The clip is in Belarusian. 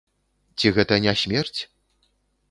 Ці гэта не смерць?